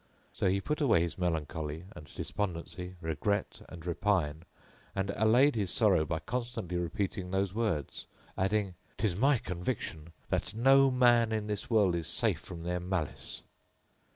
So he put away his melancholy and despondency, regret and repine, and allayed his sorrow by constantly repeating those words, adding, " 'Tis my conviction that no man in this world is safe from their malice!"